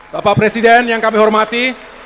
bapak presiden yang kami hormati